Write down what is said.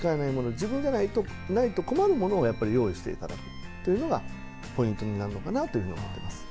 自分が無いと困るものをやっぱり用意して頂くというのがポイントになるのかなというふうに思ってます。